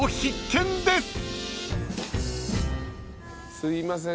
すいません